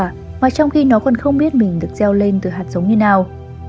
và trong khi nó còn không biết mình được gieo lên từ hạt giống như nào